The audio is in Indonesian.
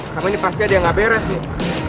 sama ini pasti ada yang gak beres nih